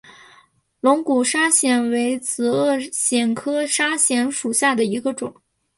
龙骨砂藓为紫萼藓科砂藓属下的一个种。